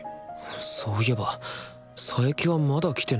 そういえば佐伯はまだ来てないのか？